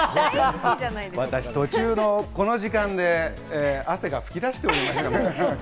私、途中のこの時間で汗が噴き出しておりました。